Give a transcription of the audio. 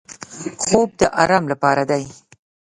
خوب د آرام د خوب ځای دی